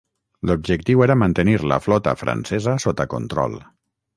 L'objectiu era mantenir la flota francesa sota control.